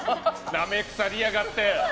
なめくさりやがって！